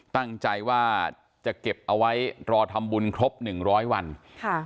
ตั้งใจว่าจะเก็บเอาไว้รอทำบุญครบหนึ่งร้อยวันค่ะ